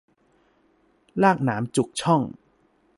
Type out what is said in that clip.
ลากหนามจุกช่อง